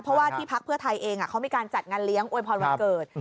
เพราะว่าที่พักเพื่อไทยเองเขามีการจัดงานเลี้ยงอวยพรวันเกิด